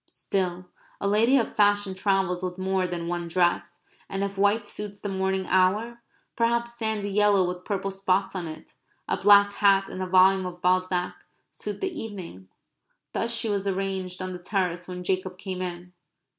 Still, a lady of fashion travels with more than one dress, and if white suits the morning hour, perhaps sandy yellow with purple spots on it, a black hat, and a volume of Balzac, suit the evening. Thus she was arranged on the terrace when Jacob came in.